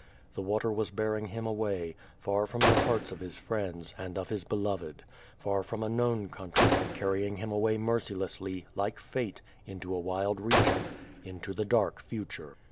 The water was bearing him awf y, far from the hearts of his friends, and of his beloved; far from a known country, carrying him away mercilessly, like fate, indio a wild region; into the dark future.